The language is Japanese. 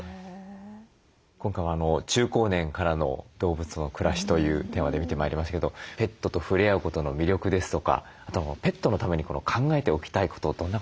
今回は中高年からの動物との暮らしというテーマで見てまいりましたけどペットとふれあうことの魅力ですとかあとはペットのために考えておきたいことどんなことでしょうか？